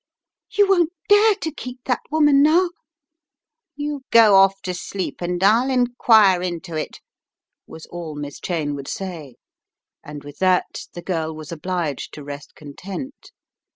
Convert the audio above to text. You won't dare to keep that woman now " "You go off to sleep, and I'll inquire into it," was all Miss Cheyne would say, and with that the girl was obliged to rest content.